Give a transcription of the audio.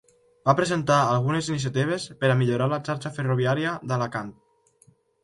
Va presentar algunes iniciatives per a millorar la xarxa ferroviària d'Alacant.